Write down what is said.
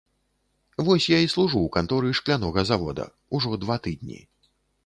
Вось я і служу ў канторы шклянога завода, ужо два тыдні.